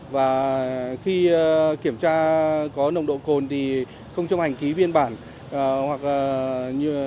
và khi kiểm tra có nồng độ cồn thì không chấp hành ký biên bản hoặc